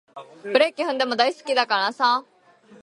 ブレーキ踏んでも大好きだからさ